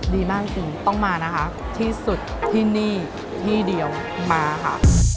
ดีมากจริงต้องมานะคะที่สุดที่นี่ที่เดียวมาค่ะ